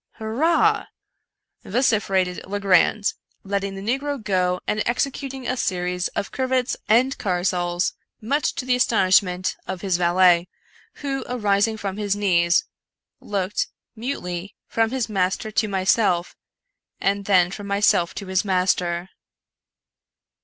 hurrah I " vociferated Le 142 Edgar Allan Poe grand, letting the negro go and executing a series of curvets and caracols, much to the astonishment of his valet, who, arising from his knees, looked, mutely, from his master to myself, and tlien f' ^.m myself to his master.